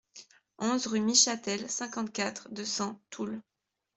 onze rue Michâtel, cinquante-quatre, deux cents, Toul